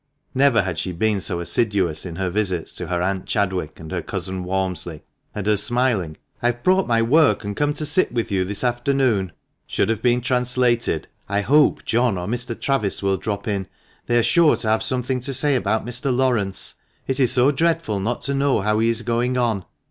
Never had she been so assiduous in her visits to her aunt Chadwick and her cousin Walmsley, and her smiling "I've brought my work and come to sit with you this afternoon," should have been translated, " I hope John or Mr. Travis will drop in. They are sure to have something to say about Mr. Laurence ; it is so dreadful not to know how he is going on."